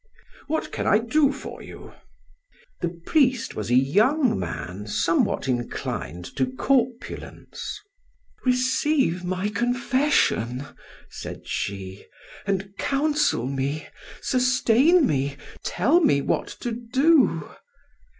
"What can I do for you?" The priest was a young man somewhat inclined to corpulence. "Receive my confession," said she, "and counsel me, sustain me, tell me what to do."